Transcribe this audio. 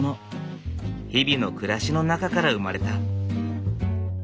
日々の暮らしの中から生まれた。